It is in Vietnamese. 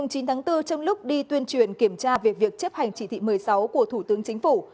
ngày chín tháng bốn trong lúc đi tuyên truyền kiểm tra về việc chấp hành chỉ thị một mươi sáu của thủ tướng chính phủ